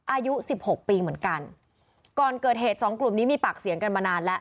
อายุสิบหกปีเหมือนกันก่อนเกิดเหตุสองกลุ่มนี้มีปากเสียงกันมานานแล้ว